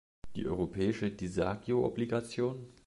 Die europäische Disagio-Obligation?